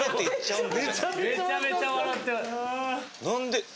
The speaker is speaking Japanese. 何で。